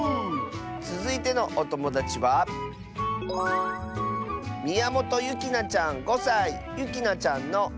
つづいてのおともだちはゆきなちゃんの。